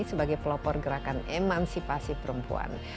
sebagai pelopor gerakan emansipasi perempuan